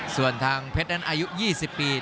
ส่วนทางเพชรนั้นอายุ๒๐ปี